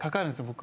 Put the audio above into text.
僕。